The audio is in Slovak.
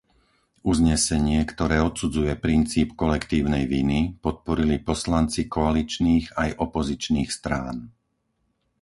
Uznesenie, ktoré odsudzuje princíp kolektívnej viny, podporili poslanci koaličných aj opozičných strán.